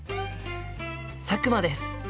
佐久間です。